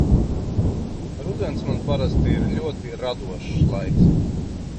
Rudens man parasti ir ļoti radošs laiks.